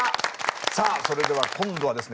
さあそれでは今度はですね